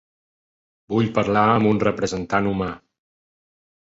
Vull parlar amb un representant humà.